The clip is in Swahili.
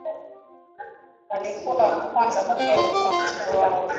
walikuwa wa kwanza kulipwa kwa mchezo wao